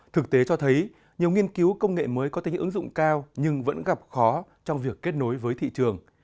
thực tế cho thấy nhiều nghiên cứu công nghệ mới có tính ứng dụng cao nhưng vẫn gặp khó trong việc kết nối với thị trường